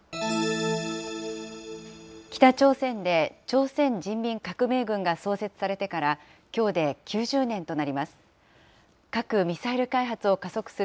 北朝鮮で朝鮮人民革命軍が創設されてから、きょうで９０年となります。